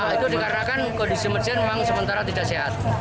iya itu dikarenakan kondisi mesin memang sementara tidak sehat